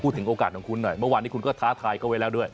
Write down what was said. ถึงโอกาสของคุณหน่อยเมื่อวานนี้คุณก็ท้าทายเขาไว้แล้วด้วย